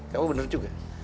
oke kamu bener juga